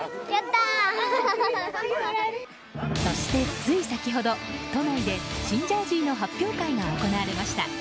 そして、つい先ほど都内で新ジャージーの発表会が行われました。